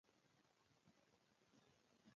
تواب ونې ته ورغئ خړې پاڼې يې درلودې.